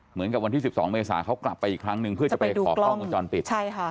เหมือนกับวันที่๑๒เมษาเขากลับไปอีกครั้งนึงเพื่อจะไปขอกล้องวงจรปิด